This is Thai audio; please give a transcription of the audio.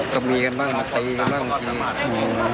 อ๋อก็มีกันบ้างหนักตีครับบ้าง